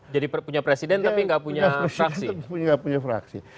jadi punya presiden tapi nggak punya fraksi